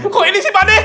kok ini sih pak d